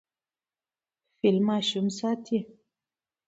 فیل ماشوم ساتي.